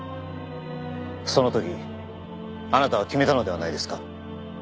その時あなたは決めたのではないですか？